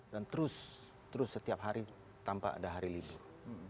dan terus terus setiap hari tanpa ada hari libur